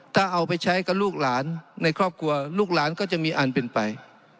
ถ้าเอาไปใช้กับลูกหลานในครอบครัวลูกหลานก็จะมีอันเป็นไป